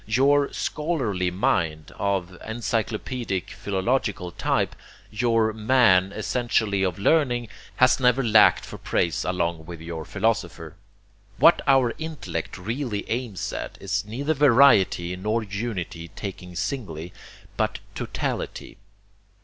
Your 'scholarly' mind, of encyclopedic, philological type, your man essentially of learning, has never lacked for praise along with your philosopher. What our intellect really aims at is neither variety nor unity taken singly but totality.